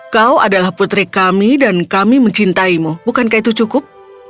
kau adalah putri kami dan kami mencintaimu bukankah itu cukup